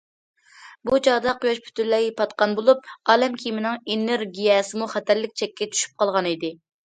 بۇ چاغدا قۇياش پۈتۈنلەي پاتقان بولۇپ، ئالەم كىيىمىنىڭ ئېنېرگىيەسىمۇ خەتەرلىك چەككە چۈشۈپ قالغانىدى.